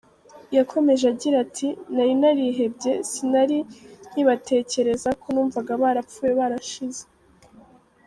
Yakomeje agira ati “Nari narihebye, sinari nkibatekereza kuko numvaga barapfuye barashize.